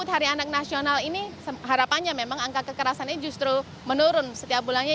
hari anak nasional ini harapannya memang angka kekerasannya justru menurun setiap bulannya